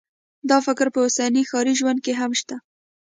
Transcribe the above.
دا فکر په اوسني ښاري ژوند کې هم شته